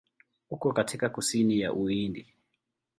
Uko katika kusini ya Uhindi.